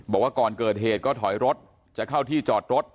บอกว่าก่อนเกิดเหตุก็ถอยรถจะเข้าที่จอดรถ